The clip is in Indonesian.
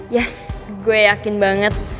yes gue yakin banget